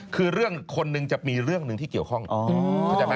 คือเรื่องคนหนึ่งจะมีเรื่องหนึ่งที่เกี่ยวข้องเข้าใจไหม